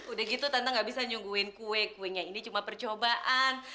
udah gitu tante gak bisa nyungguin kue kuenya ini cuma percobaan